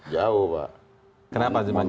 jauh pak kenapa jauh